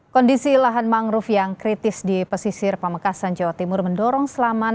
kondisi lahan mangrove yang kritis di pesisir pamekasan jawa timur mendorong selamat